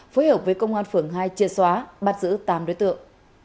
phối hợp với công an phường hai chia xóa bắt giữ tám đối tượng